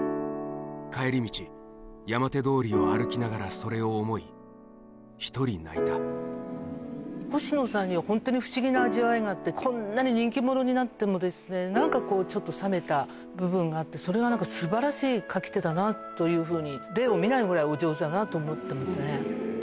帰り道、山手通りを歩きながらそれを思い、星野さんには本当に不思議な味わいがあって、こんなに人気者になってもですね、なんかちょっと冷めた部分があって、それがなんかすばらしい書き手だなというふうに、例を見ないぐらいお上手だなと思ってますね。